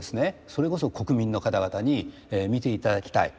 それこそ国民の方々に見ていただきたい。